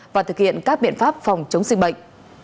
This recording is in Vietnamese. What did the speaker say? và thực hiện các biện pháp phòng chống dịch bệnh